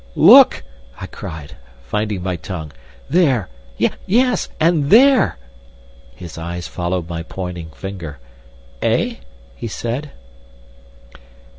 "Look!" I cried, finding my tongue. "There! Yes! And there!" His eyes followed my pointing finger. "Eh?" he said.